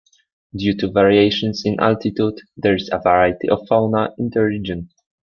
Due to variations in altitude, there is a variety of fauna in the region.